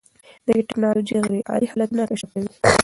د یون ټېکنالوژي غیرعادي حالتونه کشف کوي.